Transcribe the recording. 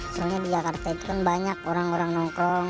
ketiga anak ini memulai petualangan mereka dengan narkoba